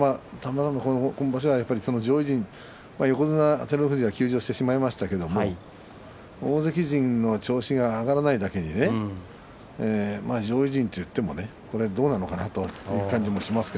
横綱照ノ富士は休場してしまいましたが大関陣の調子が上がらないだけに上位陣といってもどうなのかなとそういう感じがします。